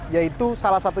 yaitu salah satu